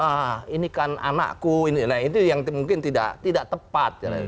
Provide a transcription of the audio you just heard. ah ini kan anakku itu yang mungkin tidak tepat